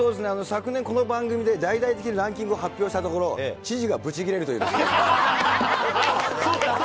昨年、この番組で大々的にランキングを発表したところ、知事がブそうか、そうか！